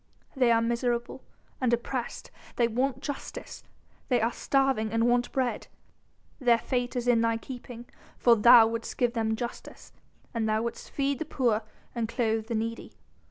They are miserable and oppressed, they want justice! They are starving and want bread. Their fate is in thy keeping for thou wouldst give them justice, and thou wouldst feed the poor and clothe the needy.